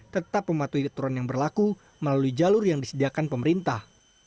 tetap mematuhi aturan yang berlaku melalui jalur yang disediakan pemerintah